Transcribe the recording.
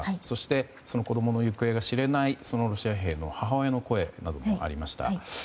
そして、子供の行方が知れないロシア兵の母親の声などもありました。